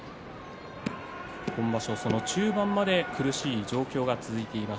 今場所、中盤まで苦しい状況が続いています